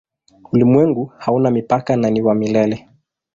Ulimwengu hauna mipaka na ni wa milele.